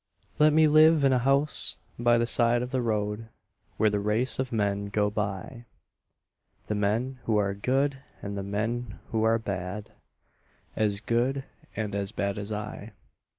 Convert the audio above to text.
Let me live in a house by the side of the road Where the race of men go by The men who are good and the men who are bad, As good and as bad as I.